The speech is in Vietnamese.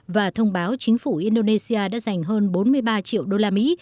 và thông báo chính phủ indonesia đã dành hơn bốn mươi ba triệu đô la mỹ